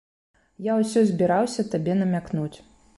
Я ўсё збіраўся табе намякнуць.